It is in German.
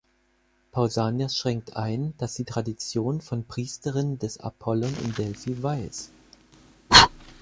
Pausanias schränkt ein, dass die Tradition von Priesterinnen des Apollon in Delphi weiß.